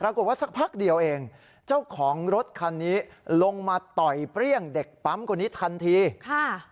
สักพักเดียวเองเจ้าของรถคันนี้ลงมาต่อยเปรี้ยงเด็กปั๊มคนนี้ทันทีค่ะ